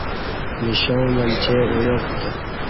مشاں منچے اُعیاکوتہ